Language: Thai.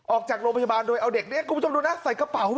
ออกจากโรงพยาบาลโดยเอาเด็กนี้คุณผู้ชมดูนะใส่กระเป๋า